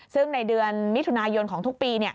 ซึ่งในเดือนมิถุนายนของทุกปี